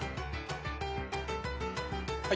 はい。